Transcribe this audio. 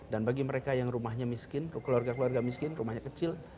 dan bagi mereka yang rumahnya miskin keluarga keluarga miskin rumahnya kecil